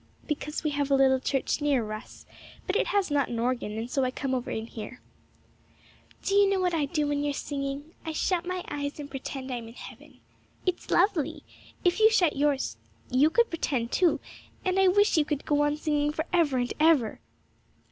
'Because we have a little church nearer us; but it has not an organ, and so I come over here.' 'Do you know what I do when you're singing? I shut my eyes and pretend I'm in heaven. It's lovely! If you shut yours you could pretend too, and I wish you could go on singing for ever and ever!'